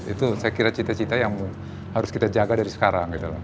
itu saya kira cita cita yang harus kita jaga dari sekarang